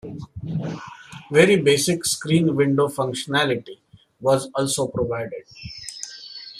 Very basic screen window functionality was also provided.